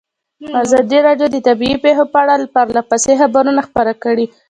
ازادي راډیو د طبیعي پېښې په اړه پرله پسې خبرونه خپاره کړي.